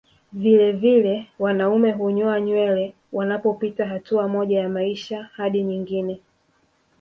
Vilevile wanaume hunyoa nywele wanapopita hatua moja ya maisha hadi nyingine